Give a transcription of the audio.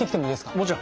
もちろん。